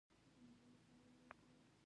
نهمه د نومبر دوه زره پینځلس کال دی.